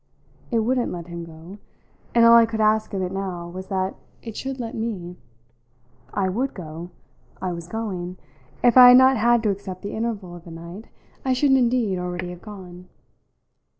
It wouldn't let him go, and all I could ask of it now was that it should let me. I would go I was going; if I had not had to accept the interval of the night I should indeed already have gone.